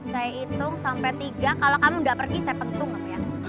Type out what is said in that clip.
saya hitung sampe tiga kalo kamu gak pergi saya petung kamu ya